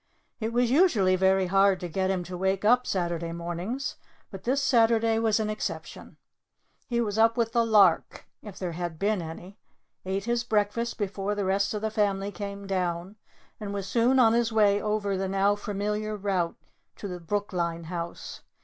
It was usually very hard to get him to wake up Saturday mornings, but this Saturday was an exception. He was up with the lark, if there had been any, ate his breakfast before the rest of the family came down, and was soon on his way over the now familiar route, to the Brookline house.